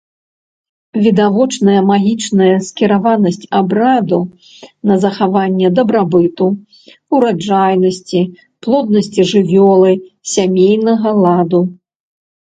Відавочная магічная скіраванасць абраду на захаванне дабрабыту, ураджайнасці, плоднасці жывёлы, сямейнага ладу.